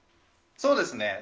そうですね。